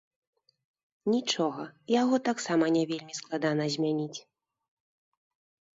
Нічога, яго таксама не вельмі складана змяніць.